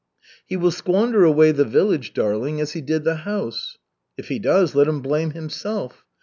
"He will squander away the village, darling, as he did the house." "If he does, let him blame himself."